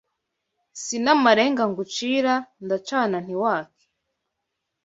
Si n’amarenga ngucira ndacana ntiwake